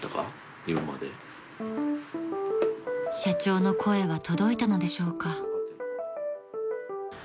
［社長の声は届いたのでしょうか？］